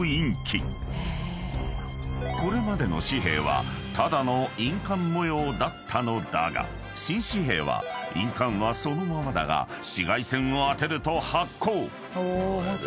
［これまでの紙幣はただの印鑑模様だったのだが新紙幣は印鑑はそのままだが紫外線を当てると発光］